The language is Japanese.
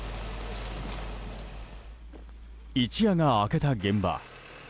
一夜が明けた現場。